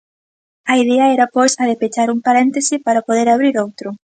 A idea era pois a de pechar un paréntese para poder abrir outro.